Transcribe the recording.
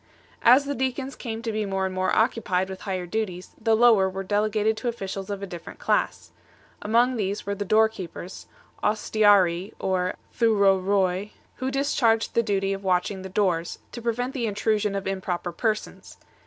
As the deacons came to be more and more occupied with higher duties, the lower were delegated to officials of a different class. Among these were the door keepers (ostiarii or Bupcopol) who discharged the duty of watching the doors, to prevent the intrusion of improper persons.